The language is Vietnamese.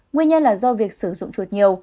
nguyên nhân là do việc sử dụng chuột nhiều